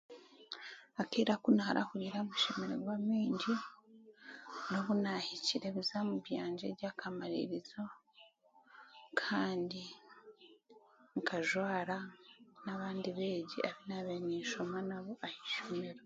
Akiire aku narahuriire amashemererwa maingi n'obunahikire ebizamu byangye by'akamaririzo kandi nk'ajwaara n'abandi beegi abunabire ninshoma nabo ah'eishomero.